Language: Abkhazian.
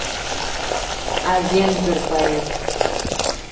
Авенгр поет.